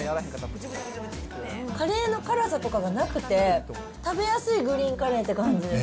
カレーの辛さとかがなくて、食べやすいグリーンカレーって感じ。